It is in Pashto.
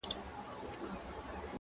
هغه ليوني ټوله زار مات کړی دی~